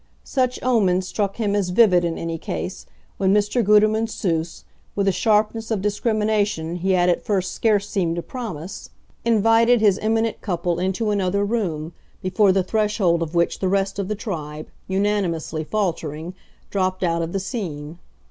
Such omens struck him as vivid, in any case, when Mr. Gutermann Seuss, with a sharpness of discrimination he had at first scarce seemed to promise, invited his eminent couple into another room, before the threshold of which the rest of the tribe, unanimously faltering, dropped out of the scene.